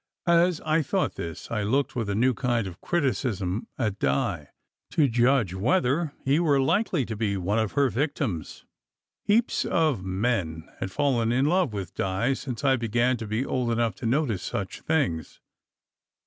As I thought this, I looked with a new kind of criticism at Di, to judge whether he were likely to be one of her victims. Heaps of men had fallen in love with Di since I began to be old enough to notice such things.